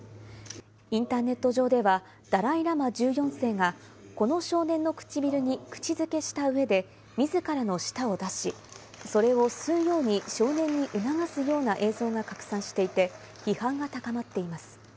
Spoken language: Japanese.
インターネット上でダライ・ラマ１４世がこの少年の唇に口づけした上で、自らの舌を出し、それを吸うように少年に促すような映像が拡散していて、批判が高まっています。